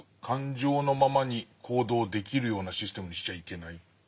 感情のままに行動できるようなシステムにしちゃいけない。